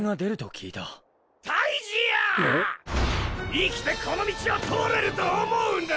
生きてこの道を通れると思うな！